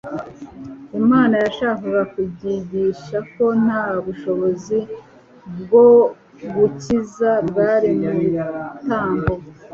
Imana yashakaga kubigisha ko nta bushobozi bwo gukiza bwari mu bitambo